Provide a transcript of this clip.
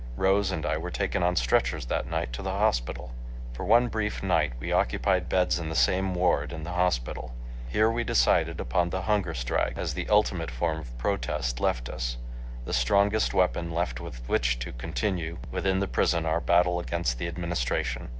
Rose and I were taken on stretchers that night to the hospital. For one brief night we occupied beds in the same ward in the hospital. Here we decided upon the hunger strike, as the ultimate form of protest left us—the strongest weapon left with which to continue within the prison our battle against the Administration.